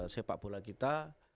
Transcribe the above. sepak bola kita